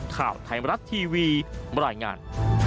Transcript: ข่าวไทยมรัฐทีวีบรรยายงาน